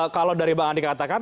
kalau dari bang andi katakan